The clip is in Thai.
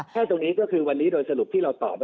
เพื่อวันนี้โดยสรุปที่เราตอบก็คือว่า